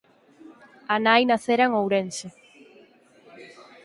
A nai nacera en Ourense.